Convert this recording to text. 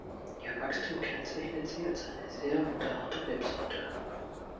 Ihr Wachstum kennzeichnet sie als eine sehr winterharte Rebsorte.